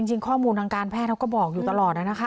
จริงข้อมูลทางการแพทย์เขาก็บอกอยู่ตลอดนะคะ